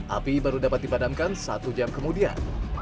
api baru dapat dipadamkan satu jam kemudian